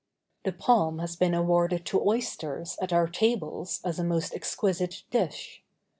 The palm has been awarded to oysters at our tables as a most exquisite dish.